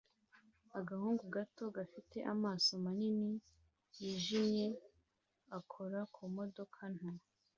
Agahungu gato gafite amaso manini yijimye akora ku modoka nto